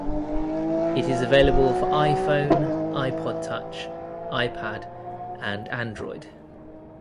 It is available for iPhone, iPod touch, iPad and Android.